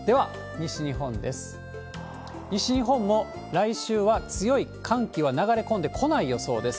西日本も来週は強い寒気は流れ込んでこない予想です。